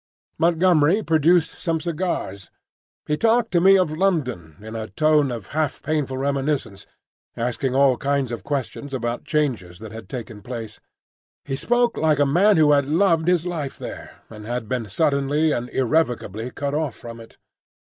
Montgomery produced some cigars. He talked to me of London in a tone of half painful reminiscence, asking all kinds of questions about changes that had taken place. He spoke like a man who had loved his life there, and had been suddenly and irrevocably cut off from it.